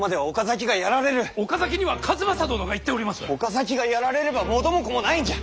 岡崎がやられれば元も子もないんじゃ！